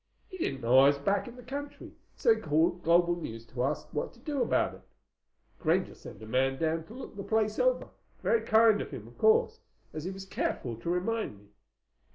He didn't know I was back in the country, so he called Global News to ask what to do about it. Granger sent a man down to look the place over—very kind of him, of course, as he was careful to remind me.